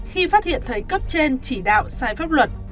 khi phát hiện thấy cấp trên chỉ đạo sai pháp luật